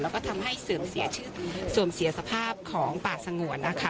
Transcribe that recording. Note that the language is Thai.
แล้วก็ทำให้เสื่อมเสียสภาพของป่าสงวนนะคะ